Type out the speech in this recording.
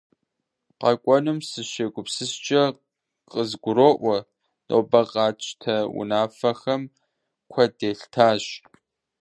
КъэкӀуэнум сыщегупсыскӀэ къызгуроӀуэ: нобэ къатщтэ унафэхэм куэд елъытащ.